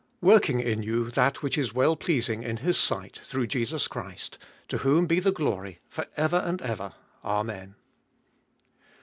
Working in you that which is pleasing in His sight, through Jesus Christ ; to whom be the glory for ever and ever. Amen.